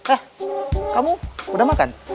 eh kamu udah makan